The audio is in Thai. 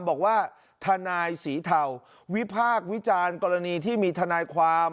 บอกว่าทนายสีเทาวิพากษ์วิจารณ์กรณีที่มีทนายความ